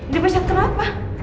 dia mecek kenapa